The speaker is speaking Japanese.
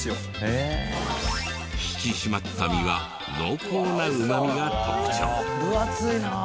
引き締まった身は濃厚なうまみが特徴。